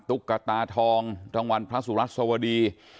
ตุ๊กตาทองรางวัลพระสุรัสสวดี